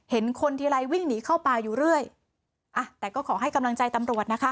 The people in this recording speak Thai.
เห็นคนทีไรวิ่งหนีเข้าป่าอยู่เรื่อยอ่ะแต่ก็ขอให้กำลังใจตำรวจนะคะ